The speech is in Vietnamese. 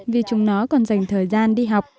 vì chúng nó còn dành thời gian đi học